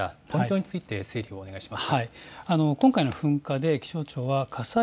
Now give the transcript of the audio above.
ポイントについて整理をお願いします。